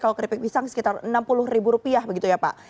kalau keripik pisang sekitar rp enam puluh begitu ya pak